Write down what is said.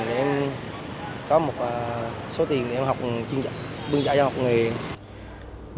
để em có một số tiền để em học chuyên trọng bưng trả cho học nghề